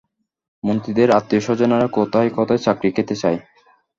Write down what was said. মন্ত্রীদের আত্মীয়স্বজনেরা কথায় কথায় চাকরি খেতে চায়।